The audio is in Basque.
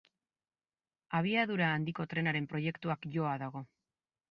Abiadura Handiko Trenaren proiektuak joa dago.